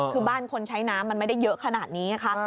คือบ้านคนใช้น้ำมันไม่ได้เยอะขนาดนี้ไงคะ